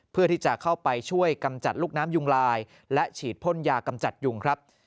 เพื่อที่จะเข้าไปช่วยกำจัดลูกน้ำยุงลายและฉีดพ่นยากำจัดยุงครับ